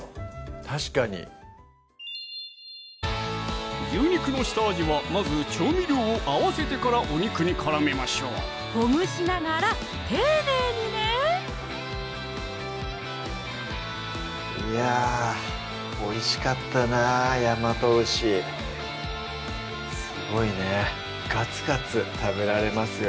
確かに牛肉の下味はまず調味料を合わせてからお肉にからめましょうほぐしながら丁寧にねいやぁおいしかったな大和牛すごいねガツガツ食べられますよ